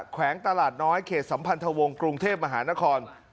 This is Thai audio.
แขวงตลาดน้อยเขตสัมพันธวงศ์กรุงเทพมหานคร